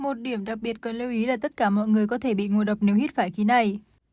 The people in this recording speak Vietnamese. một điểm đặc biệt cần lưu ý là tất cả mọi người có thể bị ngộ độc nếu hít phải khí này